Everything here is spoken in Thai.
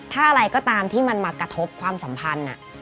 ถ้าอะไรก็ตามที่มันมากระทบความสัมพันธ์